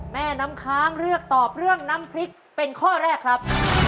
แม่น้ำค้างเลือกตอบเรื่องน้ำพริกเป็นข้อแรกครับ